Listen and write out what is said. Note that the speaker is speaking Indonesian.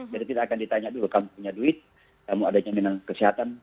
jadi tidak akan ditanya dulu kamu punya duit kamu ada jaminan kesehatan